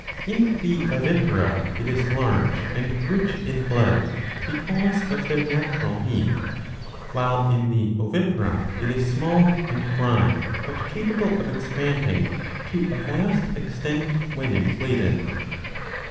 In the vivipara it is large and rich in blood, because^ of their natural heat ; while in the ovipara it is small and dry but capable of expanding to a vast extent when inflated.